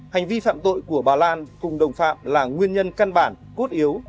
hành vi phạm tội của bà lan cùng đồng phạm là nguyên nhân căn bản cốt yếu